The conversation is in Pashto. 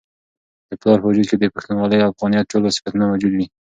د پلار په وجود کي د پښتونولۍ او افغانیت ټول صفتونه موجود وي.